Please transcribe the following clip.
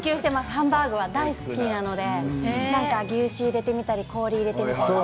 ハンバーグが大好きなので牛脂を入れてみたりこうじを入れてみたり。